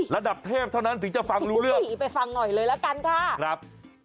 ระดับเทพเท่านั้นถึงจะฟังรู้เรื่องผีไปฟังหน่อยเลยละกันค่ะครับ